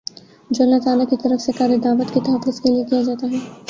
جو اللہ تعالیٰ کی طرف سے کارِ دعوت کے تحفظ کے لیے کیا جاتا ہے